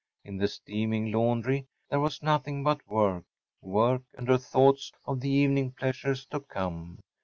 In the steaming laundry there was nothing but work, work and her thoughts of the evening pleasures to come.